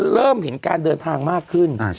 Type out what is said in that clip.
เริ่มเห็นการเดินทางมากขึ้น